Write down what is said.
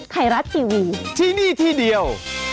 ไทยรัฐทีวีที่นี่ที่เดียว